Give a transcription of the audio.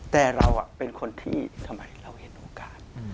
แต่เราเป็นคนที่ทำไมเราเห็นโอกาส